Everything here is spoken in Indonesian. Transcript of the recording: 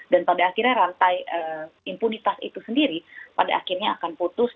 pada akhirnya rantai impunitas itu sendiri pada akhirnya akan putus